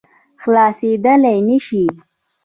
خلاصېدلای نه شي.